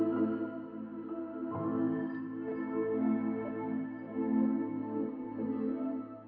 kemana nanti ahh